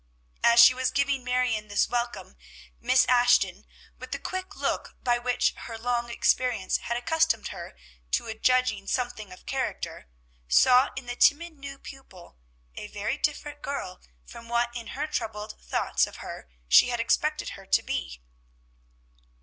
As she was giving Marion this welcome, Miss Ashton, with the quick look by which her long experience had accustomed her to judging something of character, saw in the timid new pupil a very different girl from what in her troubled thoughts of her she had expected her to be.